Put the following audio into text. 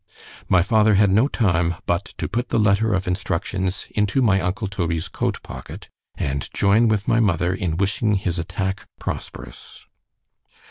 ——My father had no time but to put the letter of instructions into my uncle Toby's coat pocket——and join with my mother in wishing his attack prosperous.